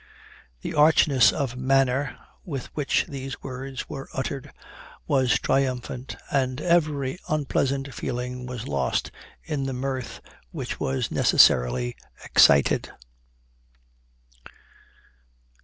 The archness of manner with which these words were uttered was triumphant, and every unpleasant feeling was lost in the mirth which was necessarily excited.